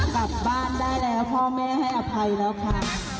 กลับบ้านได้แล้วพ่อแม่ให้อภัยแล้วค่ะ